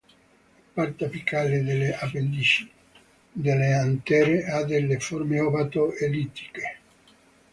La parte apicale delle appendici delle antere ha delle forme ovato-ellittiche.